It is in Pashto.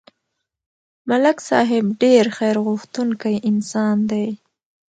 ملک صاحب ډېر خیرغوښتونکی انسان دی